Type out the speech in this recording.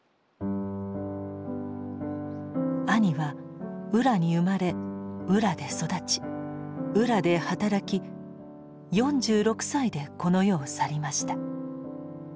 兄は「浦」に生まれ「浦」で育ち「浦」で働き４６歳でこの世を去りました。